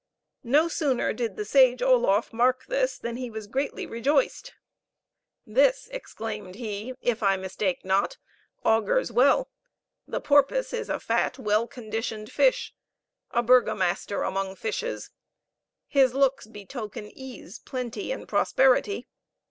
No sooner did the sage Oloffe mark this than he was greatly rejoiced. "This," exclaimed he, "if I mistake not, augurs well the porpoise is a fat, well conditioned fish a burgomaster among fishes his looks betoken ease, plenty, and prosperity.